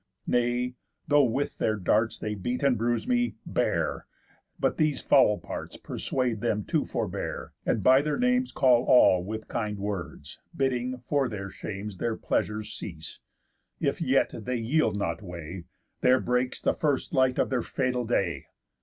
Nay, though with their darts They beat and bruise me, bear. But these foul parts Persuade them to forbear, and by their names Call all with kind words; bidding, for their shames, Their pleasures cease. If yet they yield not way, There breaks the first light of their fatal day.